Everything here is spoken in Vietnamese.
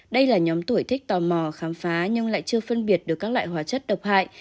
đây là nhóm tuổi thích tò mò khám phá nhưng lại chưa phân biệt được các loại hóa chất độc hại